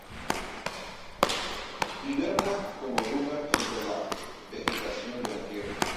Hiberna como oruga entre la vegetación de la tierra.